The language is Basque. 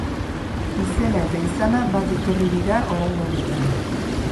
Izena eta izana bat etorri dira oraingo honetan.